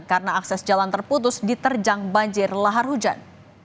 karena akses jalan terputus diterjang banjir lahar hujan